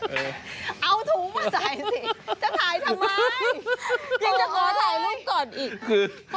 เอาถุงมาใส่ซิจะถ่ายทำไมยังจะโกรธิภูมิก่อนอีก